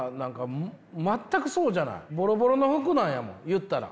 ボロボロの服なんやもん言ったら。